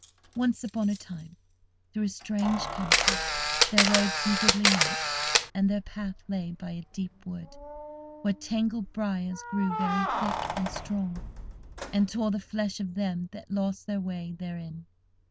Once upon a time, through a strange country, there rode some goodly knights, and their path lay by a deep wood, where tangled briars grew very thick and strong, and tore the flesh of them that lost their way therein.